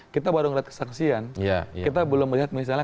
kita baru melihat kesaksian kita belum melihat misalnya